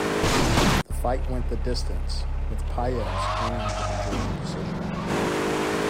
The fight went the distance, with Paez earning a majority decision.